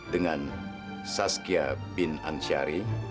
dengan sazkiah bin anshari